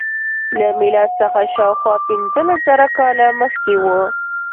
له میلاد څخه شاوخوا پنځلس زره کاله مخکې و.